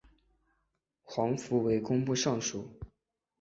黄福为工部尚书。